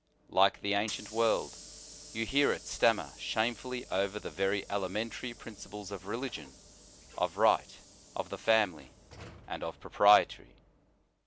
Like the ancient world, you hear it stammer shamefully over the very elementary princi ples of religion, of right, of the family, and of propriety.